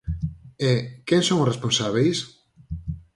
E, quen son os responsábeis?